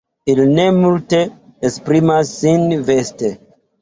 Ili ne multe esprimas sin veste.